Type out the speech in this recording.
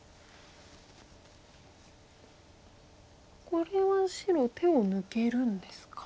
これは白手を抜けるんですか。